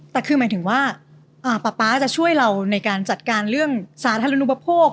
แต่คือหมายถึงว่าป๊าป๊าจะช่วยเราในการจัดการเรื่องสาธารณูปโภค